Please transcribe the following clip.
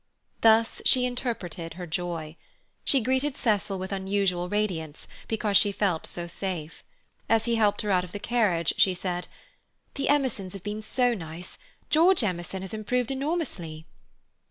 Thus she interpreted her joy. She greeted Cecil with unusual radiance, because she felt so safe. As he helped her out of the carriage, she said: "The Emersons have been so nice. George Emerson has improved enormously."